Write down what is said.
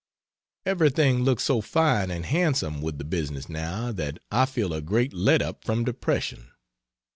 Everything looks so fine and handsome with the business, now, that I feel a great let up from depression.